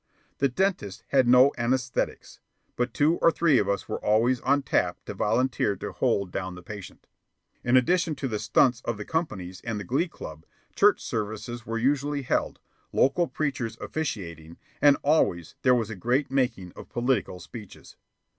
The Dentist had no anaesthetics, but two or three of us were always on tap to volunteer to hold down the patient. In addition to the stunts of the companies and the glee club, church services were usually held, local preachers officiating, and always there was a great making of political speeches.